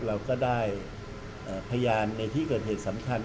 เราก็ได้พยานในที่เกิดเหตุสำคัญ